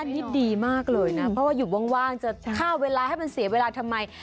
นี่ดีมากเลยนะเพราะว่าอยู่ว่างจะฆ่าเวลาให้มันเสียเวลาทำไม